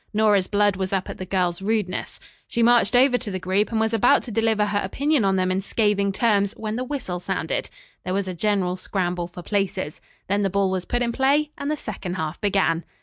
Nora's blood was up at the girls' rudeness. She marched over to the group and was about to deliver her opinion of them in scathing terms, when the whistle sounded. There was a general scramble for places. Then the ball was put in play and the second half began.